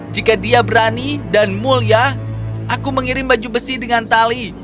jika dia berani dan mulia aku mengirim baju besi dengan tali